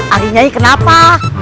adik nyai kenapa